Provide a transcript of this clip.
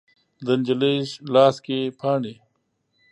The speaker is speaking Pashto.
د نجلۍ لاس کې پاڼې